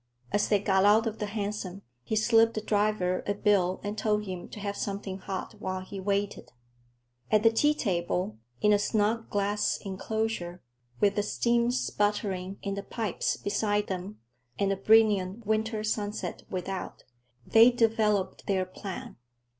As they got out of the hansom, he slipped the driver a bill and told him to have something hot while he waited. At the tea table, in a snug glass enclosure, with the steam sputtering in the pipes beside them and a brilliant winter sunset without, they developed their plan.